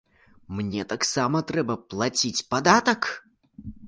Мне таксама трэба плаціць падатак?